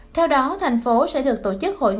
theo đó thành phố sẽ được tổng hợp với các nhà máy xi măng